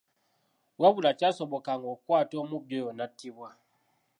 Wabula kyasobokanga okukwata omubbi oyo n’atattibwa.